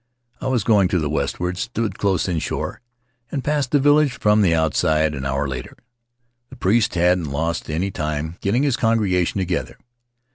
I was going to the westward, stood close inshore, and passed the village from the outside an hour later. The priest hadn't lost any time getting his congregation together.